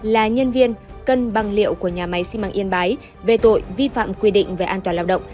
là nhân viên cân bằng liệu của nhà máy sinh mạng yên bái về tội vi phạm quy định về an toàn lao động